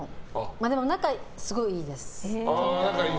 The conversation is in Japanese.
でも仲はすごいいいです。